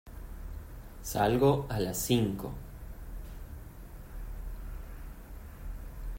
Salgo a las cinco.